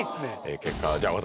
結果はじゃあ私